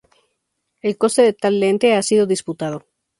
El coste de tal lente ha sido disputado.